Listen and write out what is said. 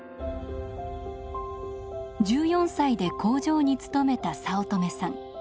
１４歳で工場に勤めた早乙女さん。